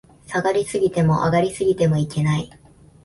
下がり過ぎても、上がり過ぎてもいけない